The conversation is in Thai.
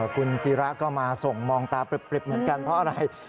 คุณศิราก็มาส่งมองตาปริบเหมือนกันเพราะอะไร